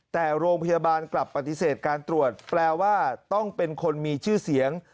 แต่โรงพยาบาลกลับปฏิเสธการตรวจแปลว่าต้องเป็นคนมีชื่อเสียง